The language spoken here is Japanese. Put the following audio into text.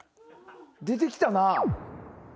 出てきたな。